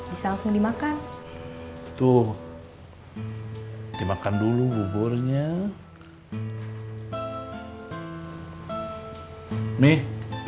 bisa langsung dimakan tuh hai dimakan dulu buburnya nih